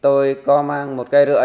tôi có mang một cây rựa